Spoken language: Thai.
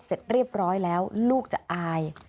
เสร็จเรียบร้อยแล้วลูกจะอาย